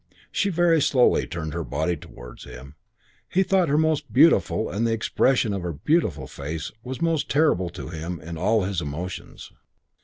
She very slowly turned her body towards him. He thought her most beautiful and the expression of her beautiful face was most terrible to him in all his emotions.